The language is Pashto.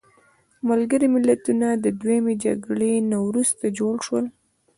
ملګري ملتونه د دویمې جګړې نه وروسته جوړ شول.